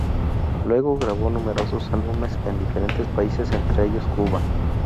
Luego, grabó numerosos álbumes en diferentes países, entre ellos, Cuba.